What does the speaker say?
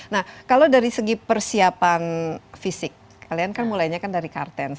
nah kalau dari segi persiapan fisik kalian kan mulainya kan dari kartens